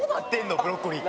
ブロッコリーって。